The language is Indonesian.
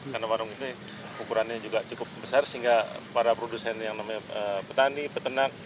karena warung itu ukurannya juga cukup besar sehingga para produsen yang namanya petani petenang